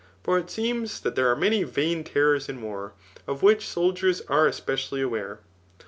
For it seems d^ there aie many vain terrors in war,^ of which soldiers are espe cially aware.